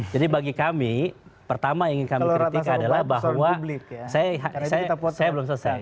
jadi bagi kami pertama yang ingin kami kritik adalah bahwa saya belum selesai